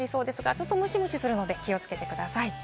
ただムシムシするので気をつけてください。